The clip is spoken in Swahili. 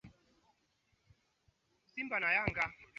majivu yake yalitawanyika mwezi wa kumi